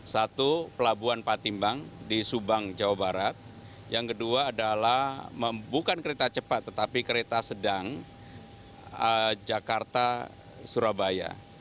satu pelabuhan patimbang di subang jawa barat yang kedua adalah bukan kereta cepat tetapi kereta sedang jakarta surabaya